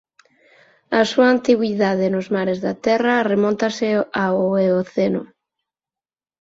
A súa antigüidade nos mares da Terra remóntase ao eoceno.